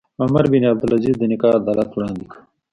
عمر بن عبدالعزیز د نیکه عدالت وړاندې کړ.